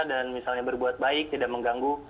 misalnya berbuat baik tidak mengganggu